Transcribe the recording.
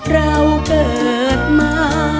เราเกิดมา